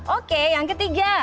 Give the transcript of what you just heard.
oke yang ketiga